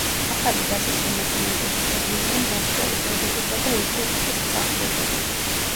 ახალი დასის შემადგენლობაში შედიოდნენ მოსკოვის, ოდესისა და ირკუტსკის მსახიობები.